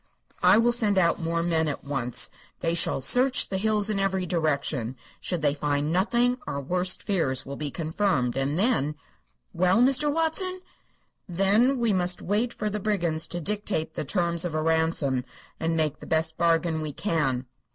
"I will send out more men at once. They shall search the hills in every direction. Should they find nothing our worst fears will be confirmed, and then " "Well, Mr. Watson?" "Then we must wait for the brigands to dictate the terms of a ransom, and make the best bargain we can."